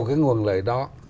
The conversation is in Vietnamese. cái nguồn lợi đó